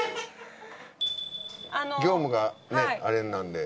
業務がねあれなんで。